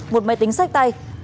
một máy tính sách tay